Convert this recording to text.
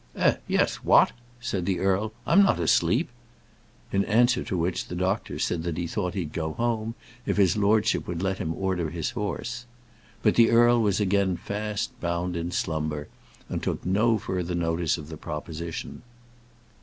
"Eh; yes; what?" said the earl: "I'm not asleep." In answer to which the doctor said that he thought he'd go home, if his lordship would let him order his horse. But the earl was again fast bound in slumber, and took no further notice of the proposition.